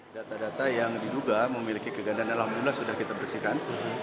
data data yang diduga memiliki kegandaan alhamdulillah sudah kita bersihkan